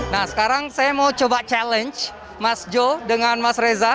nah sekarang saya mau coba challenge mas joe dengan mas reza